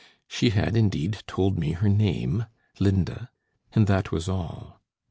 She had, indeed, told me her name Linda and that was all.